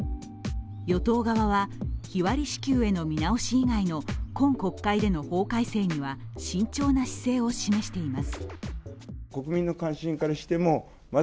与党側は、日割り支給への見直し以外の今国会での法改正には慎重な姿勢を示しています。